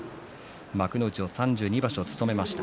幕内を３２場所務めました。